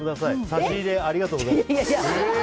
差し入れありがとうございました。